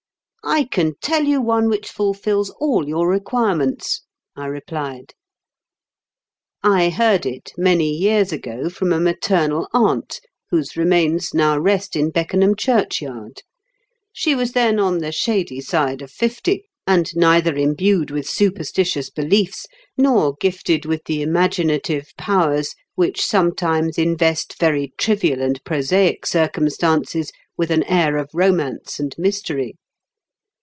" I can tell you one which fulfils all your requirements," I replied. I heard it, many years ago, from a maternal aunt, whose remains now rest in Beckenham churchyard. She was then on the shady side of fifty, and neither imbued with superstitious beliefs, nor gifted with the imaginative powers which sometimes invest very trivial and prosaic circumstances with an air of romance and mystery.